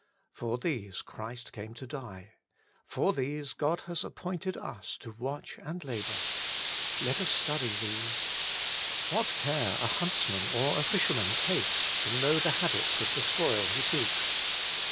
For these Christ came to die. For these God has ap 142 Working for God 143 pointed us to watch and labour. Let us study these. What care a huntsman or a fisherman takes to know the habits of the spoil he seeks.